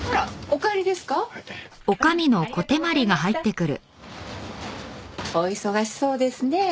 お忙しそうですねえ。